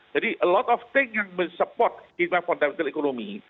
jadi banyak hal yang mendukung fundamental ekonomi